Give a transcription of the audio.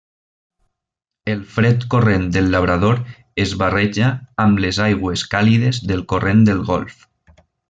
El fred Corrent del Labrador es barreja amb les aigües càlides del Corrent del Golf.